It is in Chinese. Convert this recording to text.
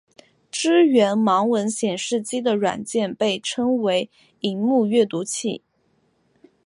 支援盲文显示机的软件被称为萤幕阅读器。